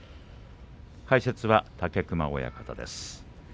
解説は武隈親方です。